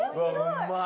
うまい！